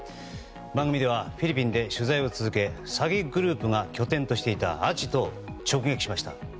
番組ではフィリピンで取材を続け詐欺グループが拠点としていたアジトを直撃しました。